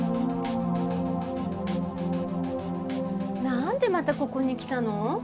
なんでまたここに来たの？